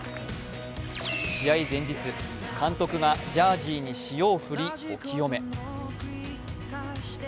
試合前日、監督がジャージーに塩を振り、お清め。